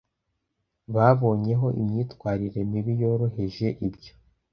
Bababonyeho imyitwarire mibi yoroheje ibyo